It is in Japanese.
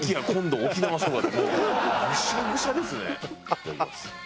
いただきます。